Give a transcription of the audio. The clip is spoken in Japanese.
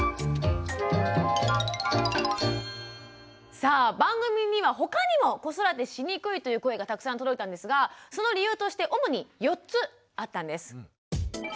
さあ番組には他にも子育てしにくいという声がたくさん届いたんですがその理由として主に４つあったんです。